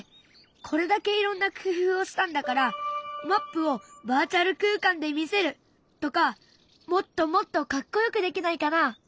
これだけいろんな工夫をしたんだからマップをバーチャル空間で見せるとかもっともっとかっこよくできないかな？